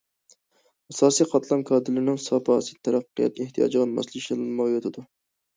ئاساسىي قاتلام كادىرلىرىنىڭ ساپاسى تەرەققىيات ئېھتىياجىغا ماسلىشالمايۋاتىدۇ.